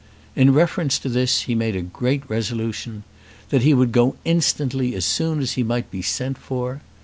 In reference to this he made a great resolution, that he would go instantly as soon as he might be sent for.